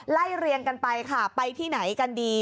ไล่เรียงกันไปค่ะไปที่ไหนกันดี